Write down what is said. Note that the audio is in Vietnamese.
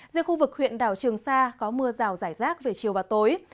riêng khu vực huyện đảo trường sa có mưa rào rải rác về chiều và tối